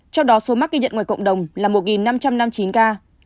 trong đó số mắc ghi nhận ngoài cộng đồng là một năm trăm năm mươi chín ca